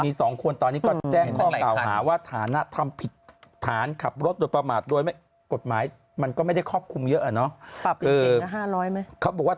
มี๒คนตอนนี้ก็แจ้งข้อเปล่าหาว่า